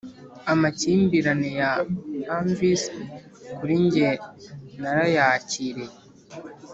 amakimbirane ya anvils kuri njye narayakiriye